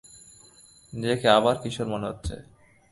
নিজেকে আবার কিশোর মনে হচ্ছে।